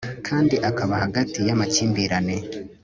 kandi akaba hagati yamakimbirane